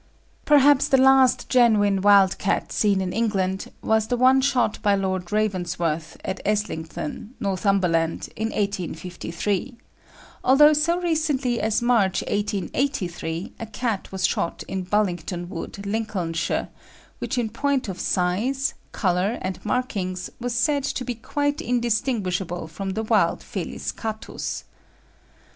"Perhaps the last genuine wild cat seen in England was the one shot by Lord Ravensworth at Eslington, Northumberland, in 1853;[A] although so recently as March, 1883, a cat was shot in Bullington Wood, Lincolnshire, which in point of size, colour, and markings was said to be quite indistinguishable from the wild Felis catus.